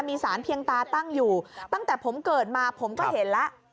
มีสารเพียงตาตั้งอยู่ตั้งแต่ผมเกิดมาผมก็เห็นแล้ว